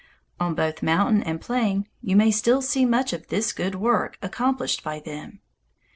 On both mountain and plain you may still see much of this good work accomplished by them.